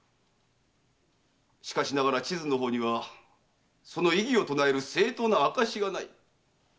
しかしながら千津の方にはその異議を唱える正当な証がない。